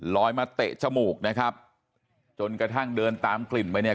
มาเตะจมูกนะครับจนกระทั่งเดินตามกลิ่นไปเนี่ย